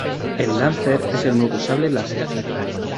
El Lancer es el nuevo sable láser".